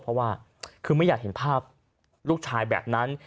เพราะว่าคือไม่อยากเห็นภาพลูกชายแบบนั้น